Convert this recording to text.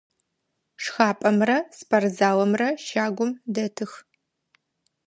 Шхапӏэмрэ спортзалымрэ щагум дэтых.